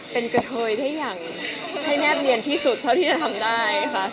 เป็นกระเทยได้อย่างให้แนบเนียนที่สุดเท่าที่จะทำได้ค่ะ